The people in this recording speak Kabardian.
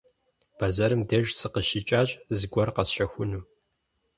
Бэзэрым деж сыкъыщикӀащ, зыгуэр къэсщэхуну.